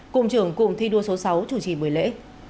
cùng trưởng cụm thi đua số sáu chủ trì buổi lễ